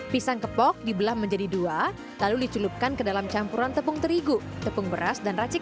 pisang kepok dibelah menjadi dua lalu diculupkan ke dalam campuran tepung terigu tepung beras dan racik